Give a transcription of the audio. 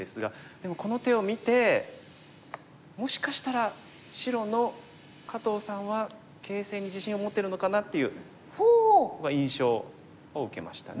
でもこの手を見てもしかしたら白の加藤さんは形勢に自信を持ってるのかなっていう印象を受けましたね。